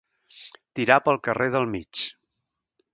Tirar pel carrer del mig.